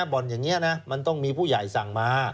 บ่อนอย่างนี้นะมันต้องมีผู้ใหญ่สั่งมา